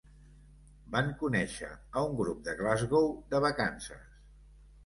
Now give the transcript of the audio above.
Van conèixer a un grup de Glasgow de vacances.